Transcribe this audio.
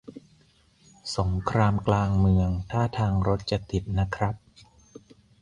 สงครามกลางเมือง ท่าทางรถจะติดนะครับ